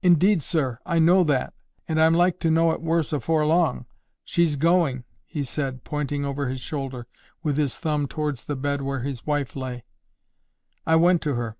"Indeed, sir, I know that. And I'm like to know it worse afore long. She's going," he said, pointing over his shoulder with his thumb towards the bed where his wife lay. I went to her.